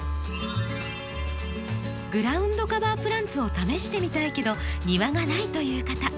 グラウンドカバープランツを試してみたいけど庭がないという方。